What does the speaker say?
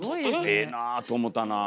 ええなあと思たなあ。